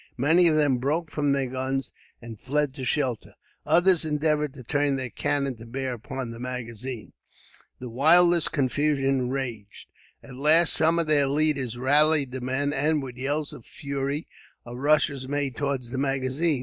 Many of them broke from their guns and fled to shelter, others endeavoured to turn their cannon to bear upon the magazine. The wildest confusion raged. At last some of their leaders rallied the men; and, with yells of fury, a rush was made towards the magazine.